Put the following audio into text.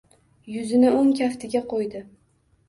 Yuzini o‘ng kaftiga qo‘ydi.